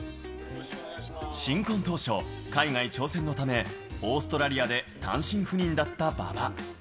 新婚当初、海外挑戦のため、オーストラリアで単身赴任だった馬場。